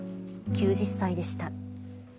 ９０歳でした。